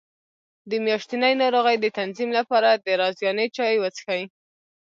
د میاشتنۍ ناروغۍ د تنظیم لپاره د رازیانې چای وڅښئ